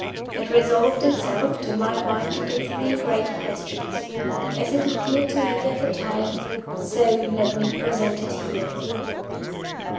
It resolved itself, to my mind, into three great Questions. As it appeared to me at the time, so let me present it here.